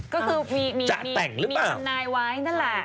ก็คือมีดำนายไว้นั่นแหละก็คือว่าจากแต่งหรือเปล่า